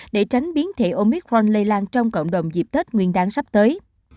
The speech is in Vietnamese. để tránh biến thể omicron lây lan trong cộng đồng dịp tết nguyên đáng sắp tới